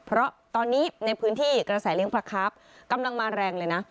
เพราะตอนนี้ในพื้นที่กระแสเลี้ยงปลาครับกำลังมาแรงเลยนะ